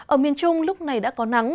ở miền trung lúc này đã có nắng